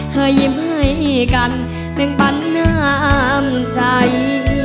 ให้ยิ้มให้กันแบ่งบันน้ำใจ